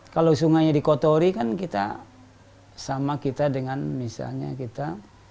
kalau sungainya dikotori kan kita sama kita dengan misalnya kita